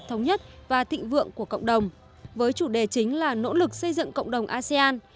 thống nhất và thịnh vượng của cộng đồng với chủ đề chính là nỗ lực xây dựng cộng đồng asean